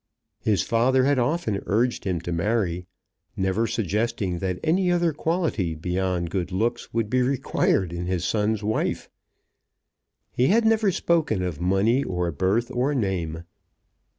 His father had often urged him to marry, never suggesting that any other quality beyond good looks would be required in his son's wife. He had never spoken of money, or birth, or name.